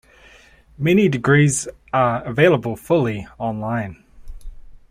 Many degrees are available fully online.